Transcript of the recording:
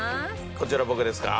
こちら僕ですか？